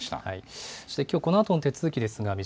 そしてきょうこのあとの手続